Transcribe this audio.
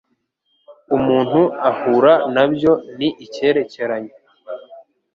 umuntu ahura na byo ni icyerekeranye